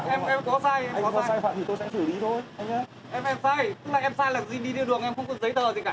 em sai tức là em sai là đi đi đưa đường em không có giấy tờ gì cả